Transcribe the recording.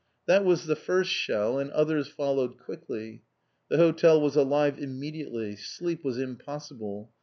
That was the first shell, and others followed quickly. The Hotel was alive immediately. Sleep was impossible.